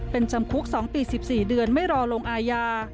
เป็นจำคุก๒ปี๑๔เดือนไม่รอลงอาญา